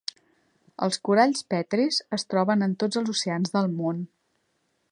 Els coralls petris es troben en tots els oceans del món.